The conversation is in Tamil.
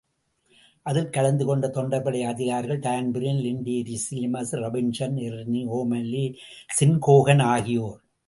அதில் கலந்து கொண்ட தொண்டர்படை அதிகாரிகள் Dan Breen, Sean Treacy, Seamus Robinson, Ernie O'Malley, ஸின்ஹோகன் ஆகியோர்.